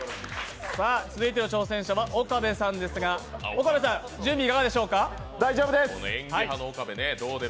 続いての挑戦者は岡部さんですが、岡部さん、準備いかがでしょうか。